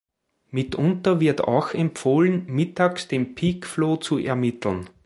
Mitunter wird auch empfohlen, mittags den Peak Flow zu ermitteln.